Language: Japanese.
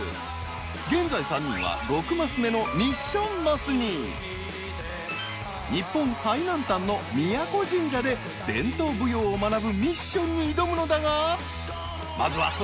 現在３人は６マス目のミッションマスに日本最南端の宮古神社で伝統舞踊を学ぶミッションに挑むのだがまずは財布？